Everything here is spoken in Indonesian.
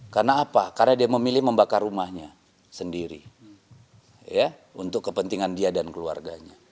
karena apa karena dia memilih membakar rumahnya sendiri untuk kepentingan dia dan keluarganya